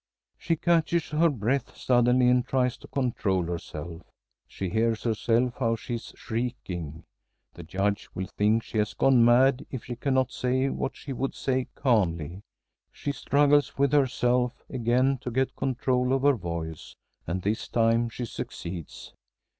She catches her breath suddenly and tries to control herself. She hears herself how she is shrieking. The Judge will think she has gone mad if she cannot say what she would say calmly. She struggles with herself again to get control of her voice, and this time she succeeds.